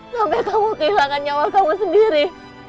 sampai kamu kehilangan nyawa kamu sendiri